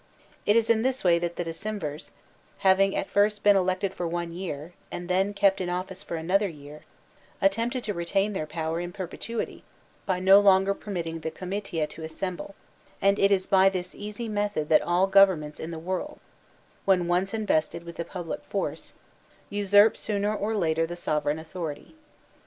It is in this way that the Decemvirs, hav ing at first been elected for one year, and then kept in office for another year, attempted to retain their power in perpetuity by no longer permitting the comitia to assem ble; and it is by this easy method that all the governments in the world, when once invested with the public force, usurp sooner or later the sovereign authority.